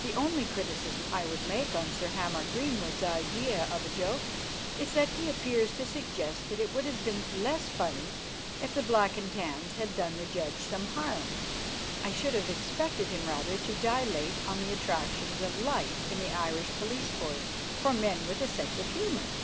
The only criticism I would make on Sir Hamar Greenwood's idea of a joke is that he appears to suggest that it would have been less funny if the Black and Tans had done the judge some harm. I should have expected him rather to dilate on the attractions of life in the Irish police force for men with a sense of humour.